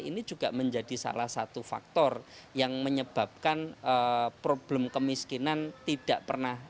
ini juga menjadi salah satu faktor yang menyebabkan problem kemiskinan tidak pernah